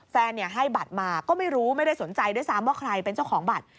ให้บัตรมาก็ไม่รู้ไม่ได้สนใจด้วยซ้ำว่าใครเป็นเจ้าของบัตร